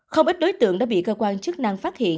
không ít đối tượng đã bị cơ quan chức năng phát hiện